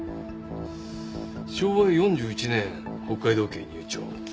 「昭和４１年北海道警入庁」